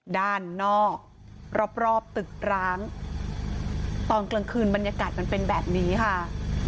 ด้านนอกรอบรอบตึกร้างตอนกลางคืนบรรยากาศมันเป็นแบบนี้ค่ะ